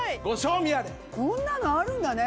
こんなのあるんだね。